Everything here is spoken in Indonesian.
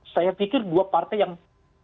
saya pikir dua partai yang